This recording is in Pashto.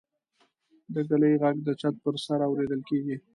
د ږلۍ غږ د چت پر سر اورېدل کېږي.